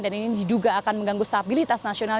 dan ini juga akan mengganggu stabilitas nasional